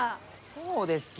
そうですき！